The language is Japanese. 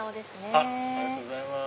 ありがとうございます。